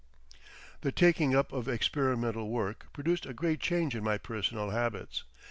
The taking up of experimental work produced a great change in my personal habits.